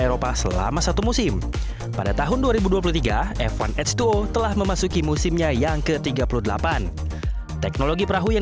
eropa selama satu musim pada tahun dua ribu dua puluh tiga f satu h dua telah memasuki musimnya yang ke tiga puluh delapan teknologi perahu yang